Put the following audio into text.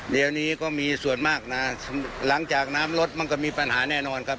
เดี๋ยวนี้ก็มีส่วนมากนะหลังจากน้ำรถมันก็มีปัญหาแน่นอนครับ